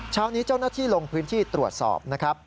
เช้านี้เจ้านักฐีลงพื้นที่ตรวจสอบ